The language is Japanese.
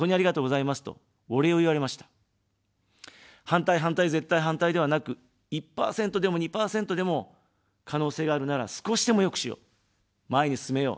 反対、反対、絶対反対ではなく、１％でも２％でも可能性があるなら少しでも良くしよう、前に進めよう。